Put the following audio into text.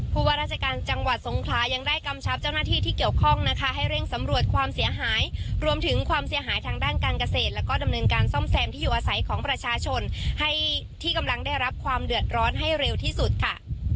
ว่าราชการจังหวัดสงคลายังได้กำชับเจ้าหน้าที่ที่เกี่ยวข้องนะคะให้เร่งสำรวจความเสียหายรวมถึงความเสียหายทางด้านการเกษตรแล้วก็ดำเนินการซ่อมแซมที่อยู่อาศัยของประชาชนให้ที่กำลังได้รับความเดือดร้อนให้เร็วที่สุดค่ะ